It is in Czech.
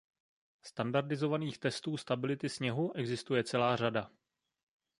Standardizovaných testů stability sněhu existuje celá řada.